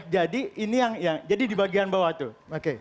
jadi ini yang jadi di bagian bawah tuh